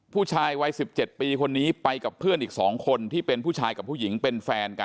ผู้ชายวัย๑๗ปีคนนี้ไปกับเพื่อนอีก๒คนที่เป็นผู้ชายกับผู้หญิงเป็นแฟนกัน